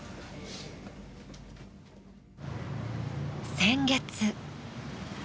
先月。